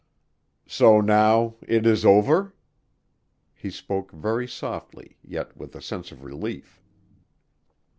"So now it is over?" He spoke very softly yet with a sense of relief.